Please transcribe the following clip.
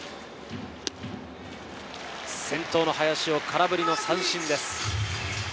先頭の林を空振りの三振です。